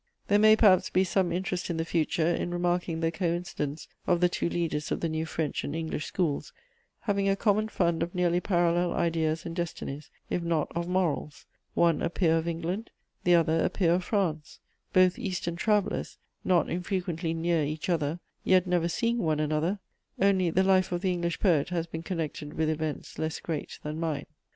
There may perhaps be some interest in the future in remarking the coincidence of the two leaders of the new French and English schools having a common fund of nearly parallel ideas and destinies, if not of morals: one a peer of England, the other a peer of France; both Eastern travellers, not infrequently near each other, yet never seeing one another: only, the life of the English poet has been connected with events less great than mine.